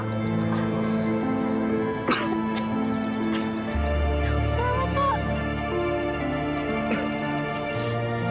kamu selamat tok